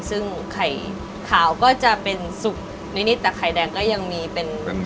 ซึ่งไข่ขาวก็จะเป็นสุกนิดแต่ไข่แดงก็ยังมีเป็น